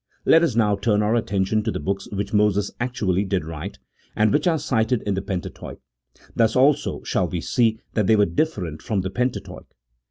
Let us now turn our attention to the books which Moses actually did write, and which are cited in the Pentateuch ; thus, also, shall we see that they were different from the Pentateuch.